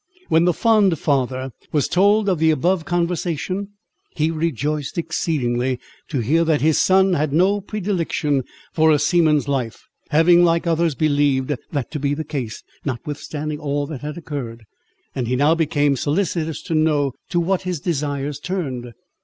When the fond father was told of the above conversation, he rejoiced exceedingly to hear that his son had no predilection for a seaman's life, having, like others, believed that to be the case, notwithstanding all that had occurred; and he now became solicitous to know to what his desires turned.